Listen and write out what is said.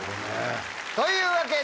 というわけで。